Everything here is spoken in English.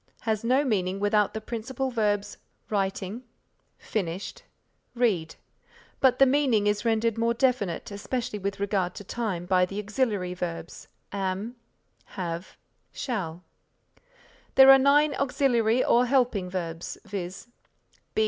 has no meaning without the principal verbs writing, finished read; but the meaning is rendered more definite, especially with regard to time, by the auxiliary verbs am, have, shall. There are nine auxiliary or helping verbs, viz.